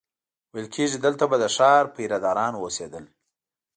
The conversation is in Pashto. ویل کېږي دلته به د ښار پیره داران اوسېدل.